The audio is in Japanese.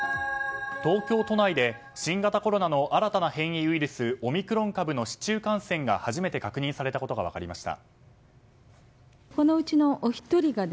東京都内で新型コロナの新たな変異ウイルスオミクロン株の市中感染が、初めて確認されたことが分かりました。